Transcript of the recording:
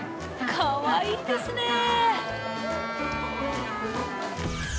かわいいですね。